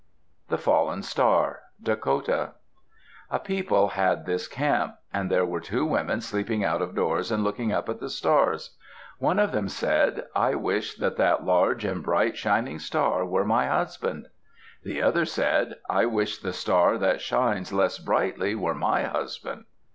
THE FALLEN STAR Dakota A people had this camp. And there were two women sleeping out of doors and looking up at the stars. One of them said, "I wish that that large and bright shining star were my husband." The other said, "I wish the star that shines less brightly were my husband."